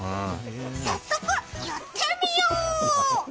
早速、やってみよう！